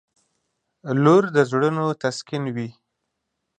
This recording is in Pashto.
• لور د زړونو تسکین وي.